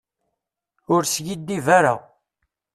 Ur skiddib ara.